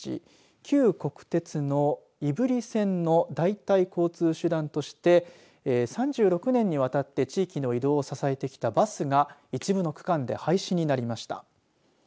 旧国鉄の胆振線の代替交通手段として３６年にわたって地域の移動を支えてきたバスが一部の区間で廃止になりました。